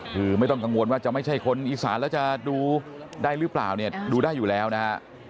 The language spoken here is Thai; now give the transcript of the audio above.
คือไม่ต้องกังวลว่าจะไม่ใช่คนอีสานแล้วจะดูได้หรือเปล่าเนี่ยดูได้อยู่แล้วนะฮะ